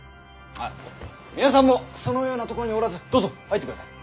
あ皆さんもそのような所におらずどうぞ入ってください。